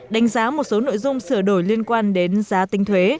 đánh giá một số nội dung sửa đổi liên quan đến giá tinh thuế